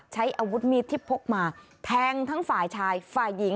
ใช้อาวุธมีดที่พกมาแทงทั้งฝ่ายชายฝ่ายหญิง